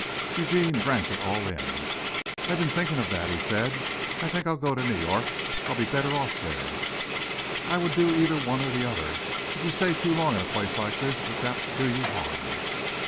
Eugene drank it all in. "I've been thinking of that," he said. "I think I'll go to New York. I'll be better off there." "I would either do one or the other. If you stay too long in a place like this it's apt to do you harm."